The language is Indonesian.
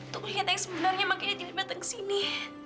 tuh ngeliat yang sebenarnya makanya jadi datang kesini